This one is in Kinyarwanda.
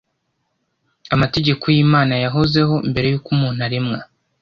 Amategeko y’Imana yahozeho mbere y’uko umuntu aremwa